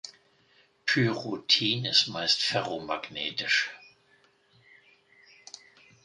Pyrrhotin ist meist ferromagnetisch.